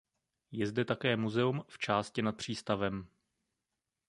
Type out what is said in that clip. Je zde také museum v části nad přístavem.